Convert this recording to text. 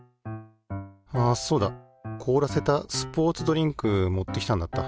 あそうだ！凍らせたスポーツドリンク持ってきたんだった。